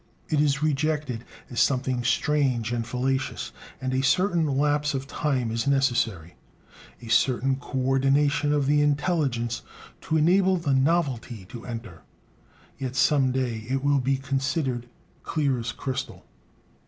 It is rejected as something strange and fallacious; and a certain lapse of time is necessary, a certain coordination of the intelligence, to enable the "novelty" to enter. Yet some day it will be considered clear as crystal.